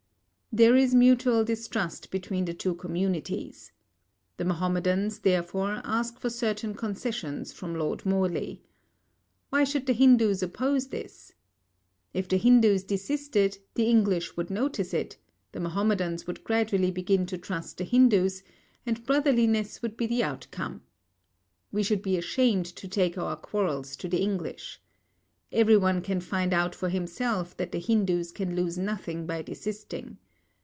There is mutual distrust between the two communities. The Mahomedans, therefore, ask for certain concessions from Lord Morley. Why should the Hindus oppose this? If the Hindus desisted, the English would notice it, the Mahomedans would gradually begin to trust the Hindus, and brotherliness would be the outcome. We should be ashamed to take our quarrels to the English. Everyone can find out for himself that the Hindus can lose nothing by desisting.